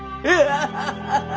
ハハハハ！